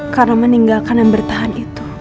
karena meninggalkan dan bertahan itu